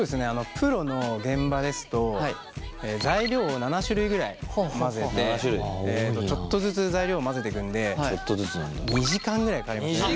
プロの現場ですと材料を７種類ぐらい混ぜてちょっとずつ材料を混ぜてくんで２時間ぐらいかかりますね